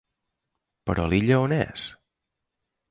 Però l'Illa on és?